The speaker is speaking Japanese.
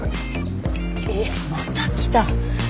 えっまた来た。